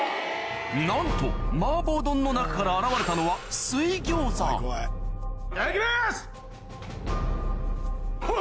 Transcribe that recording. なんと麻婆丼の中から現れたのはいただきます！